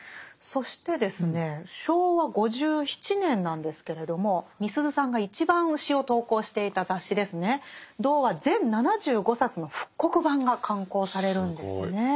そしてですね昭和５７年なんですけれどもみすゞさんが一番詩を投稿していた雑誌ですね「童話」全７５冊の復刻版が刊行されるんですね。